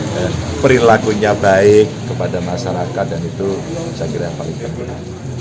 dan perilakunya baik kepada masyarakat dan itu saya kira yang paling penting